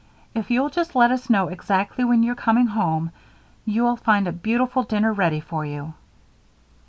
If you'll just let us know exactly when you're coming home, you'll find a beautiful dinner ready for you."